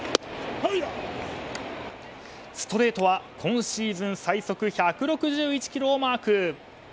ストレートは今シーズン最速１６１キロをマーク。